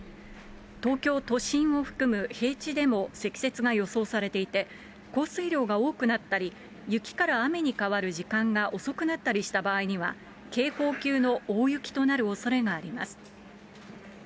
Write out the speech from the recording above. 東京都心を含む平地でも積雪が予想されていて、降水量が多くなったり、雪から雨に変わる時間が遅くなったりした場合には、警報級の大雪となるおそれがあります。